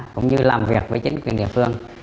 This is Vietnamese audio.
cũng như làm việc với chính quyền địa phương